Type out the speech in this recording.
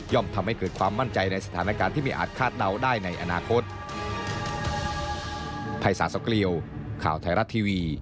ทำให้เกิดความมั่นใจในสถานการณ์ที่ไม่อาจคาดเดาได้ในอนาคต